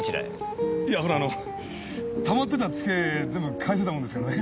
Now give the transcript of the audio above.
いやほらあのたまってたツケ全部返せたもんですからね